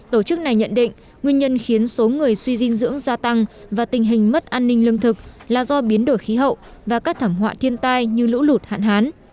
tổ chức này nhận định nguyên nhân khiến số người suy dinh dưỡng gia tăng và tình hình mất an ninh lương thực là do biến đổi khí hậu và các thảm họa thiên tai như lũ lụt hạn hán